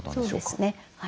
そうですね。